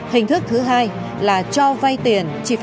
hình thức thứ hai là cho vay tiền